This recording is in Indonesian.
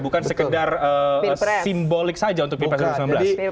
bukan sekedar simbolik saja untuk pilpres dua ribu sembilan belas